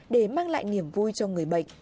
để mang lại niềm vui cho người bệnh